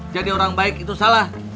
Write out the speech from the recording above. jadi orang baik itu salah